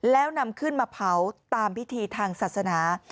แล้วนำขึ้นมาเผาตามพิธีทางศาสนา